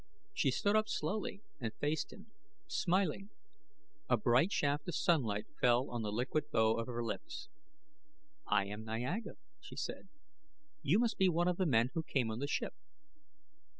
] She stood up slowly and faced him, smiling; a bright shaft of sunlight fell on the liquid bow of her lips. "I am Niaga," she said. "You must be one of the men who came on the ship."